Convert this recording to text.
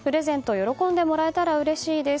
喜んでもらえたらうれしいです。